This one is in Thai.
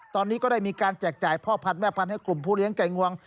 ตอนนี้ก็ได้มีการแจกจ่ายพ่อพันธุแม่พันธุ์ให้กลุ่มผู้เลี้ยงไก่งวง